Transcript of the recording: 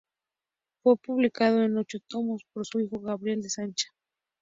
Fue publicado, en ocho tomos, por su hijo Gabriel de Sancha.